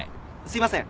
・すいません。